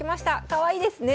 かわいいですね。